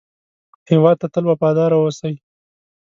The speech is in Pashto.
هېواد ته تل وفاداره اوسئ